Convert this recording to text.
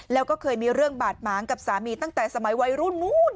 แล้วก็เคยมีเรื่องบาดหมางกับสามีตั้งแต่สมัยวัยรุ่นนู้น